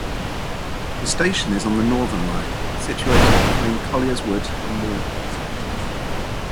The station is on the Northern line, situated between Colliers Wood and Morden stations.